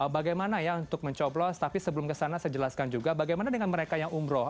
bagaimana ya untuk mencoblos tapi sebelum kesana saya jelaskan juga bagaimana dengan mereka yang umroh